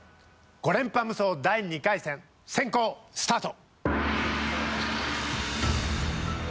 ５連覇無双第２回戦先攻スタート。